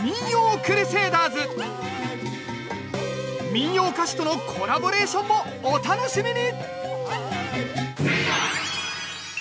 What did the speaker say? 民謡歌手とのコラボレーションもお楽しみに！